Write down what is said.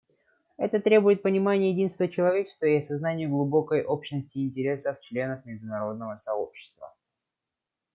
Это требует понимания единства человечества и осознания глубокой общности интересов членов международного сообщества.